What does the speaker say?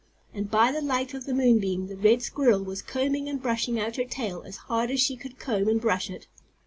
And by the light of the moon beam the red squirrel was combing and brushing out her tail as hard as she could comb and brush it.